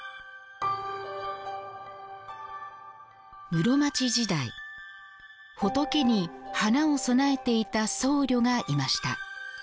室町時代、仏に花を供えていた僧侶がいました。